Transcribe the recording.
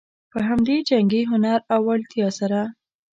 په همدې جنګي هنر او وړتیا سره.